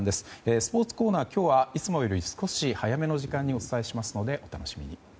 スポーツコーナー、今日はいつもより少し早めの時間にお伝えしますので、お楽しみに。